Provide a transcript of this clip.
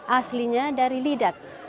aslinya dari lidak